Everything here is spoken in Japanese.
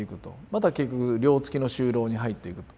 また結局寮つきの就労に入っていくと。